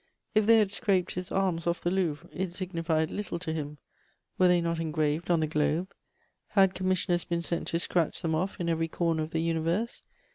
If they had scraped his arms off the Louvre, it signified little to him: were they not engraved on the globe? Had commissioners been sent to scratch them off in every corner of the universe?